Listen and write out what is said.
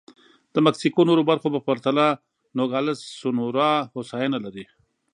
د مکسیکو نورو برخو په پرتله نوګالس سونورا هوساینه لري.